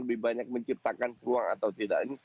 lebih banyak menciptakan peluang atau tidak